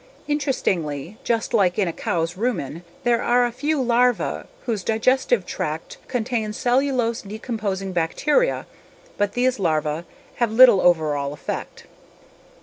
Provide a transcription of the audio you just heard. Interestingly, just like in a cow's rumen, there are a few larvae whose digestive tract contains cellulose decomposing bacteria but these larvae have little overall effect.